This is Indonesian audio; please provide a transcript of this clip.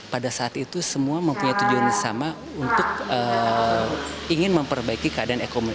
pada saat itu semua mempunyai tujuan yang sama untuk ingin memperbaiki keadaan ekonomi